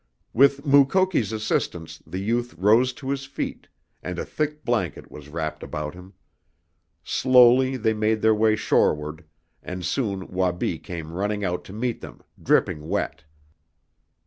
With Mukoki's assistance the youth rose to his feet, and a thick blanket was wrapped about him. Slowly they made their way shoreward, and soon Wabi came running out to meet them, dripping wet.